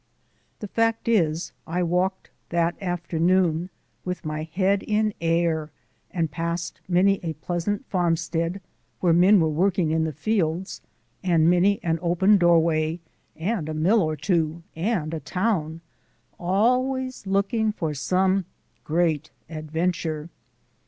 The fact is, I walked that afternoon with my head in air and passed many a pleasant farmstead where men were working in the fields, and many an open doorway, and a mill or two, and a town always looking for some Great Adventure.